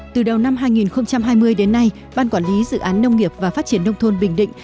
từ đầu năm hai nghìn hai mươi đến nay ban quản lý dự án nông nghiệp và phát triển nông thôn bình định